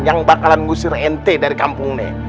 yang bakalan ngusir ente dari kampungnya